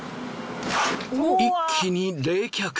一気に冷却。